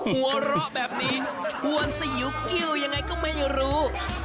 หัวเราะแบบนี้ชวนสยิวกิ้วยังไงก็ไม่รู้